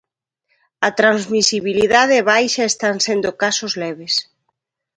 A transmisibilidade é baixa e están sendo casos leves.